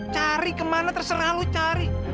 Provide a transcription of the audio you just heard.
cari ke mana terserah lo cari